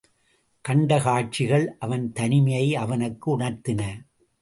கண்ட காட்சிகள் அவன் தனிமையை அவனுக்கு உணர்த்தின.